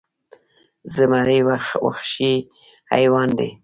زمری وخشي حیوان دې